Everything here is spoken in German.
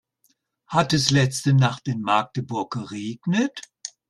Hat es letzte Nacht in Magdeburg geregnet?